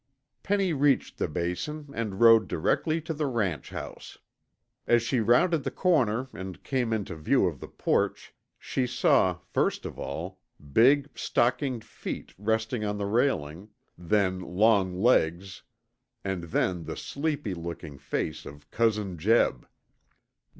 Penny reached the Basin and rode directly to the ranch house. As she rounded the corner and came into view of the porch, she saw, first of all, big, stockinged feet resting on the railing, then long legs, and then the sleepy looking face of Cousin Jeb.